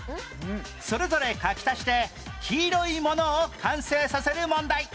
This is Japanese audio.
それぞれ書き足して黄色いものを完成させる問題